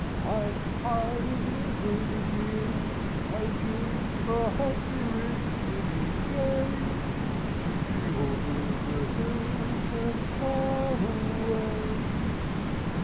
I'm tired of lingering here: I'll give a hundred guineas gay, To be over the hills and far away.'